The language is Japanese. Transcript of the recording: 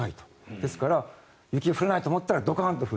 ですから雪が降らないと思ったらドカンと降る。